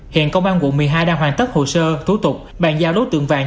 hiện công an quận một mươi hai đang hoàn tất hồ sơ thủ tục bàn giao đối tượng vàng